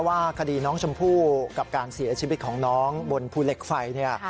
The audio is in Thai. ว่าคดีน้องชมพู่กับการเสียชีวิตของน้องบนภูเหล็กไฟเนี่ย